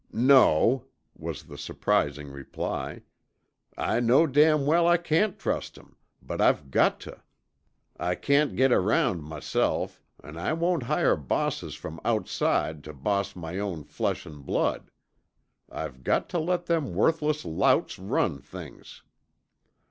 "No," was the surprising reply, "I know damn well I can't trust 'em, but I've got tuh. I can't get around, myself, an' I won't hire bosses from outside tuh boss my own flesh an' blood. I've got tuh let them worthless louts run things."